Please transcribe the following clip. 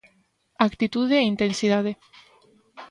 Actitude e intensidade.